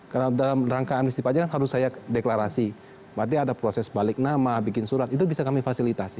karena dalam rangka amnesti pajak harus saya deklarasi berarti ada proses balik nama bikin surat itu bisa kami facilitate